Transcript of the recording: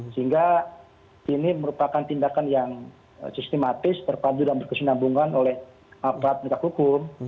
sehingga ini merupakan tindakan yang sistematis terpadu dan berkesinambungan oleh aparat penegak hukum